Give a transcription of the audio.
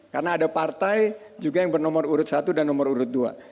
karena ada partai juga yang bernomor urut satu dan nomor urut dua